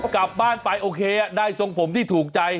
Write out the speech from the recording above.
กลับบ้านไปโอเคได้ทรงผมที่ถูกใจ